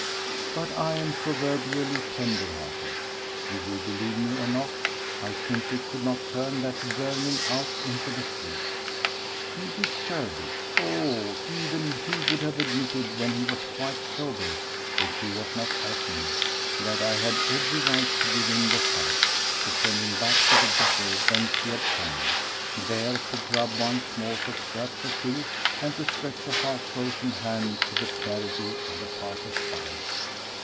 But I am proverbially tender hearted. You will believe me or not, I simply could not turn that vermin out into the street. He deserved it! Oh, even he would have admitted when he was quite sober, which was not often, that I had every right to give him the sack, to send him back to the gutter whence he had come, there to grub once more for scraps of filth and to stretch a half frozen hand to the charity of the passers by.